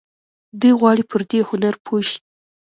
دوی غواړي پر دې هنر پوه شي.